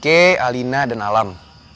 oke alina dan alam